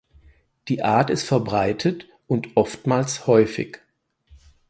Die Art ist verbreitet und oftmals häufig.